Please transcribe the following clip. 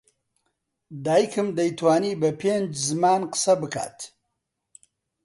دایکم دەیتوانی بە پێنج زمان قسە بکات.